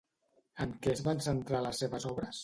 En què es van centrar les seves obres?